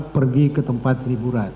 pergi ke tempat riburan